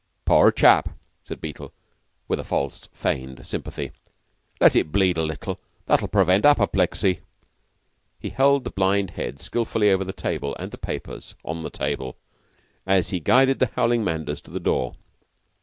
"Poor chap!" said Beetle, with a false, feigned sympathy. "Let it bleed a little. That'll prevent apoplexy," and he held the blind head skilfully over the table, and the papers on the table, as he guided the howling Manders to the door.